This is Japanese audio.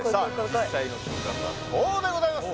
実際の金額はこうでございます